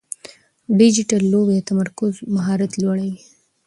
ډیجیټل لوبې د تمرکز مهارت لوړوي.